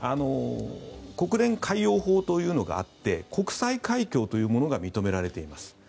国連海洋法というのがあって国際海峡というものが認められています。